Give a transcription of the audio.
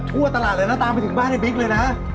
ทั่วตลาดเลยนะตามไปถึงบ้านไอ้บิ๊กเลยนะ